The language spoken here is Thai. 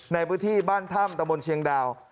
ในพื้นที่บ้านถ้ำตะบนเชียงดาว